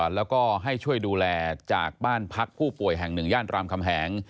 แล้วก็ให้ช่วยดูแลจากบ้านพักผู้ป่วยแห่งหนึ่งย่านรามคำแหง